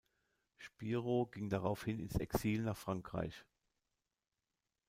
Spiro ging daraufhin ins Exil nach Frankreich.